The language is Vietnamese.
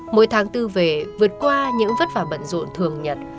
mỗi tháng tư về vượt qua những vất vả bận rộn thường nhật